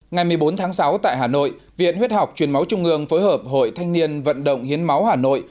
ngày một mươi bốn tháng sáu tại hà nội viện huyết học truyền máu trung ương phối hợp hội thanh niên vận động hiến máu hà nội